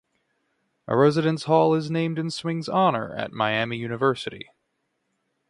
A residence hall is named in Swing's honor at Miami University.